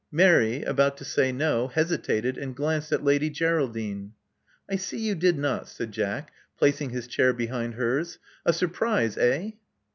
Mary, about to say no, hesitated, and glanced at Lady Geraldine. I see you did not," said Jack, placing his chair behind hers. A surprise, eh?"